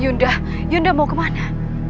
yunda yunda mau kemana